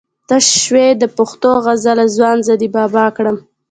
ته شوې د پښتو غزله ځوان زه دې بابا کړم